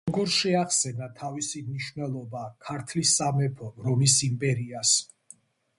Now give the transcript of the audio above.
როგორ შეახსენა თავისი მნიშვნელობა ქართლის სამეფომ რომის იმპერიას?